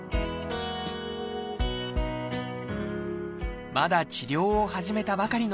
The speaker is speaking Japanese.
まだ治療を始めたばかりの山田さん。